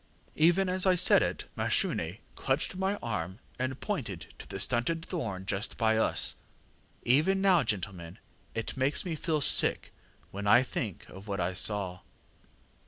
_ŌĆÖ ŌĆ£Even as I said it Mashune clutched my arm, and pointed to the stunted thorn just by us. Even now, gentlemen, it makes me feel sick when I think of what I saw.